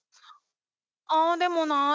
ああでもない